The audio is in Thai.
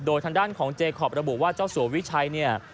โดยทางด้านของเจคอประบุว่าเจ้าสัววิชัยเนี่ย